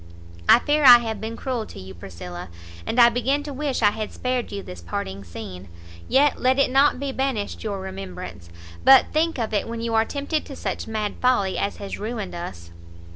I fear I have been cruel to you, Priscilla, and I begin to wish I had spared you this parting scene; yet let it not be banished your remembrance, but think of it when you are tempted to such mad folly as has ruined us."